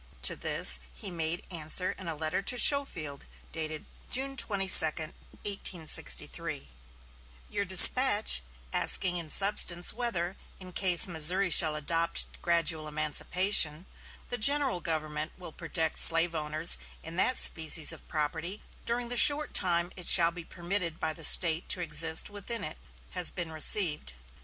To this he made answer in a letter to Schofield dated June 22, 1863: "Your despatch, asking in substance whether, in case Missouri shall adopt gradual emancipation, the general government will protect slave owners in that species of property during the short time it shall be permitted by the State to exist within it, has been received.